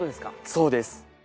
そうです。